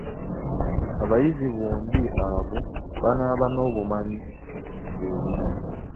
Abayizi bombi abo banaaba n’obumanyi bwe bumu?